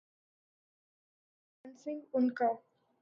جن کے لیے فری لانسنگ ان کا